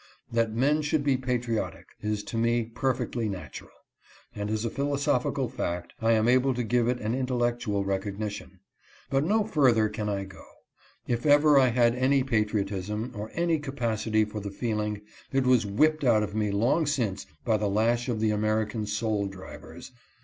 That men should be patriotic, is to me perfectly natural ; and as a philosophical fact, I am able to give it an intellectual recognition. But no further can I go. If ever I had any patriotism, or any capacity for the feeling, it was whipped out of me long since by the lash of the American soul drivers.